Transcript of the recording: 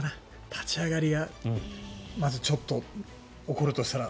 立ち上がりがまずちょっと起こるとしたら。